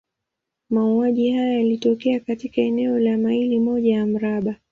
Mauaji haya yalitokea katika eneo la maili moja ya mraba.